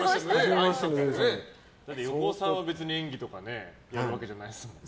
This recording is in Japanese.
だって横尾さんは別に演技とかやるわけじゃないですもんね。